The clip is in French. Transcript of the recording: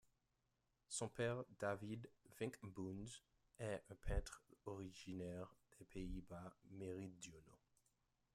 Son père David Vinckboons est un peintre originaire des Pays-Bas méridionaux.